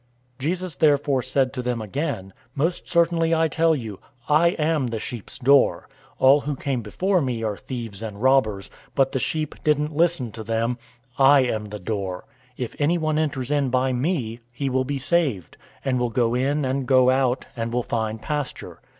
010:007 Jesus therefore said to them again, "Most certainly, I tell you, I am the sheep's door. 010:008 All who came before me are thieves and robbers, but the sheep didn't listen to them. 010:009 I am the door. If anyone enters in by me, he will be saved, and will go in and go out, and will find pasture.